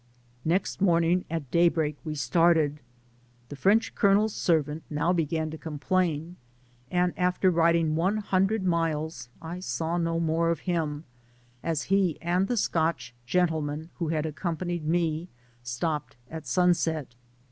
Next morning at day break we started. The French ColoneFs servant now began to complain, and after riding one hundred miles I saw no more of him, as he and the Scotch gentleman who had accompanied me stopped at sunset.